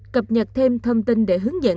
cập nhật thêm thông tin để hướng dẫn